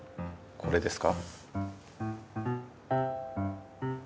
これですか？